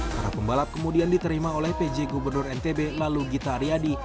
para pembalap kemudian diterima oleh pj gubernur ntb lalu gita aryadi